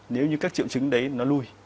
nếu như các triệu chứng đấy nó lui